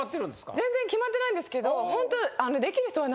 全然決まってないんですけどほんと。